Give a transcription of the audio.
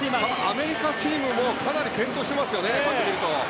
アメリカチームもかなり健闘していますね。